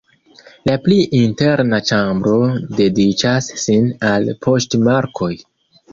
La pli interna ĉambro dediĉas sin al poŝtmarkoj.